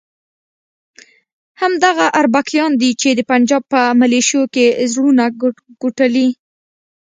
همدغه اربکیان دي چې د پنجاب په ملیشو کې زړونه کوټلي.